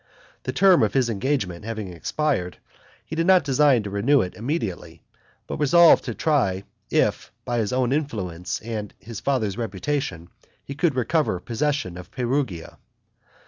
The term of his engagement having expired, he did not design to renew it immediately, but resolved to try if, by his own influence and his father's reputation, he could recover possession of Perugia.